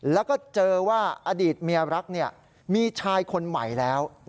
แล้วก็เจอว่าอดีตเมียรักมีชายคนใหม่แล้ว